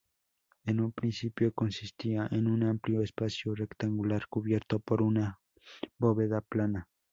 En un principio consistía en un amplio espacio rectangular cubierto por una bóveda plana.